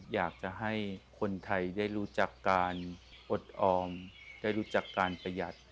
อยากจะให้คนไทยได้รู้จักการอดออมได้รู้จักการประหยัด